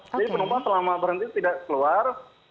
jadi penumpang selama berhenti tidak keluar